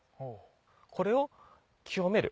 これを清める。